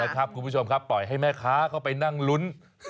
คุณผู้ชมครับปล่อยให้แม่ค้าเข้าไปนั่งลุ้น